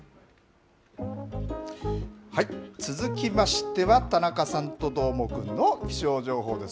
続きましては田中さんとどーもくんの気象情報です。